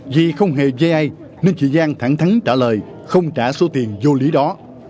vì không hề dây nên chị giang thẳng thắng trả lời không trả số tiền vô lý đó